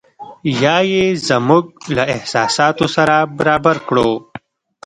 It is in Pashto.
یا یې زموږ له احساساتو سره برابر کړو.